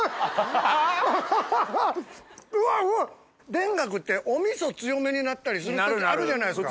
田楽ってお味噌強めになったりする時あるじゃないですか。